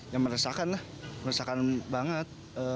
ya meresahkan lah meresahkan banget